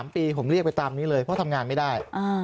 ๓ปีผมเรียกไปตามนี้เลยเพราะทำงานไม่ได้